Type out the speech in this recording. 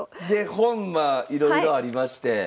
で本はいろいろありまして。